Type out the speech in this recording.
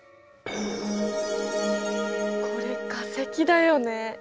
これ化石だよね。